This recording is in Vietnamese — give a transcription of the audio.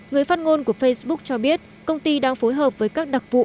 người phát ngôn của facebook cho biết công ty đang phối hợp với các đặc vụ